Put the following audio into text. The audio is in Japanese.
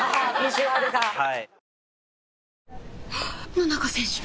野中選手！